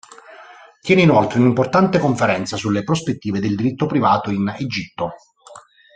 Tiene inoltre un'importante conferenza sulle prospettive del diritto privato in Egitto.